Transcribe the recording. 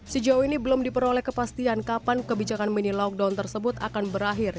sejauh ini belum diperoleh kepastian kapan kebijakan mini lockdown tersebut akan berakhir